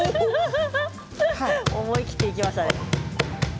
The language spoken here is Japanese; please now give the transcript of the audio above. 思い切っていきましたね。